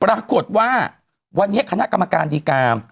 ปรากฏว่าวันนี้คณะกรรมการดีการ